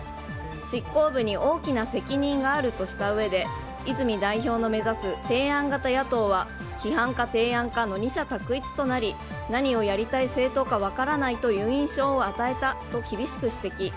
執行部に大きな責任があるとしたうえで泉代表の目指す提案型野党は批判か提案かの二者択一となり何をやりたい政党か分からないという印象を与えたと厳しく指摘。